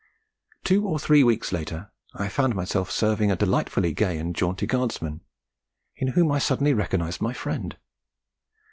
Two or three weeks later, I found myself serving a delightfully gay and jaunty Guardsman, in whom I suddenly recognised my friend.